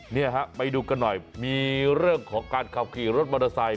นี่ฮะไปดูกันหน่อยมีเรื่องของการขับขี่รถมอเตอร์ไซค